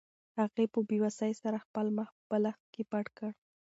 هغې په بې وسۍ سره خپل مخ په بالښت کې پټ کړ.